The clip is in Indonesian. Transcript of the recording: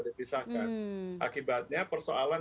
dipisahkan akibatnya persoalan